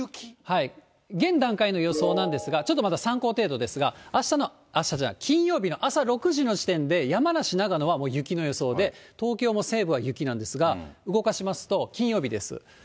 現段階の予想なんですが、ちょっとまだ参考程度ですが、金曜日の朝６時の時点で山梨、長野はもう雪の予想で、東京も西部は雪なんですが、動かしますと、金曜日です。